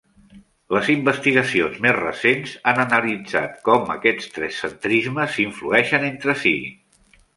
Les investigacions més recents han analitzat com aquests tres centrismes s'influeixen entre si.